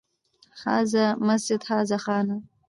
هذا مسجد، هذا خانه